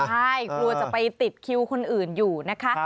ใช่กลัวจะไปติดคิวคนอื่นอยู่นะคะ